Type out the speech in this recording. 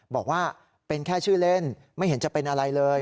บอกว่าเป็นแค่ชื่อเล่นไม่เห็นจะเป็นอะไรเลย